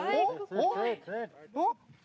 おっ？